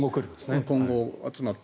今後集まって。